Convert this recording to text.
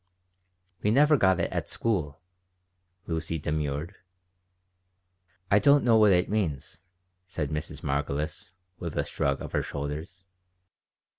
"We never got it at school," Lucy demurred "I don't know what it means," said Mrs. Margolis, with a shrug of her shoulders.